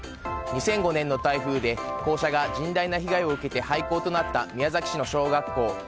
２００５年の台風で校舎が甚大な被害を受けた廃校となった宮崎県の小学校。